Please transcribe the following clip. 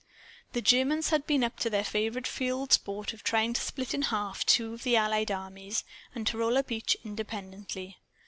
The Germans had been up to their favorite field sport of trying to split in half two of the Allied armies, and to roll up each, independently.